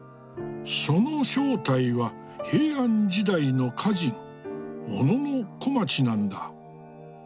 その正体は平安時代の歌人小野小町なんだ。